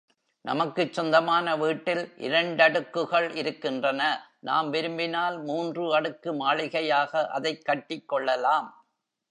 நமக்குச் சொந்தமான வீட்டில் இரண்டடுக்குகள் இருக்கின்றன நாம் விரும்பினால் மூன்று அடுக்கு மாளிகையாக அதைக் கட்டிக் கொள்ளலாம்.